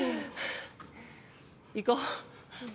行こう。